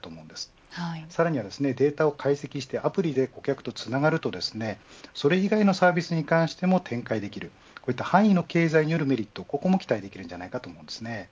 さらにデータを解析してアプリで顧客とつながるとそれ以外のサービスに関しても展開できる範囲の経済によるメリットも期待できます。